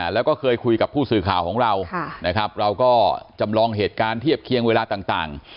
แล้วก็เคยคุยกับผู้สื่อข่าวของเรานะครับเราก็จำลองเหตุการณ์เทียบเคียงเวลาต่าง